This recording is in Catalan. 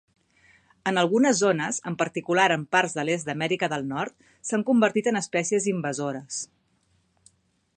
En algunes zones, en particular en parts de l'est d'Amèrica de Nord, s'han convertit en espècies invasores.